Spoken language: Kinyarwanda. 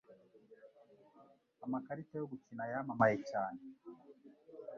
amakarita yo gukina yamamaye cyane